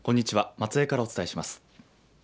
松江からお伝えします。